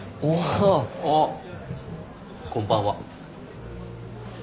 あっこんばんは。